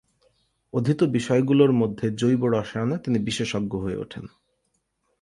অধীত বিষয়গুলোর মধ্যে জৈব রসায়নে তিনি বিশেষজ্ঞ হয়ে ওঠেন।